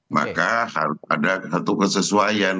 maka harus ada satu kesesuaian